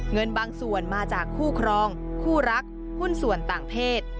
เงินบางส่วนมาจากคู่ครองคู่รักหุ้นส่วนต่างเพศ